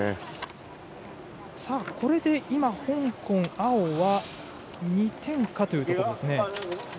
これで香港、青は２点かというところ。